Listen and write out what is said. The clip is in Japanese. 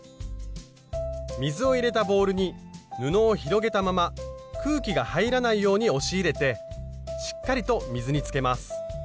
水を入れたボウルに布を広げたまま空気が入らないように押し入れてしっかりと水につけます。